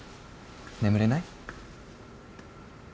眠れない？